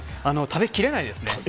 食べきれないですね。